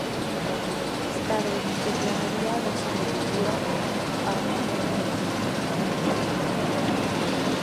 Más tarde declararía haber sobrevivido a un vuelo de la muerte.